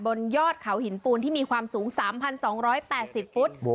บนยอดเขาหินปูนที่มีความสูง๓๒๘๐ฟุต